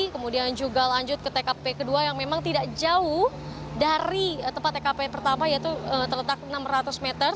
kemudian juga lanjut ke tkp kedua yang memang tidak jauh dari tempat tkp yang pertama yaitu terletak enam ratus meter